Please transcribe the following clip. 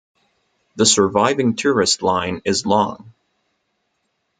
The surviving tourist line is long.